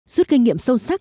suốt kinh nghiệm sâu sắc